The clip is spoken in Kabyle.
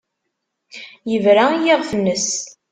Yebra i yiɣef-nnes.